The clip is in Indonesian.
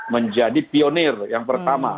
menjadi pionir yang pertama